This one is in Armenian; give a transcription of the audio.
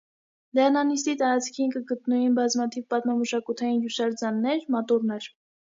Լեռնանիստի տարածքին կը գտնուին բազմաթիւ պատմամշակութային յուշարձաններ, մատուռներ։